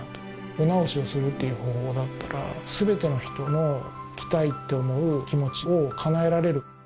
お直しをするっていう方法だったら全ての人の「着たい」って思う気持ちを叶えられる。